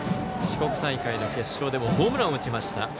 四国大会の決勝でもホームランを打ちました。